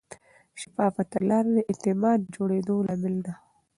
شفافه تګلاره د اعتماد د جوړېدو لامل ده.